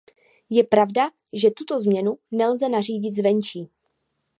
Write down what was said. Je pravda, že tuto změnu nelze nařídit zvenčí.